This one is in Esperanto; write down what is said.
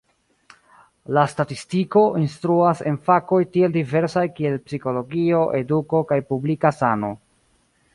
La statistiko instruas en fakoj tiel diversaj kiel psikologio, eduko kaj publika sano.